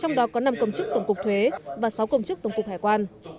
trong đó có năm công chức tổng cục thuế và sáu công chức tổng cục hải quan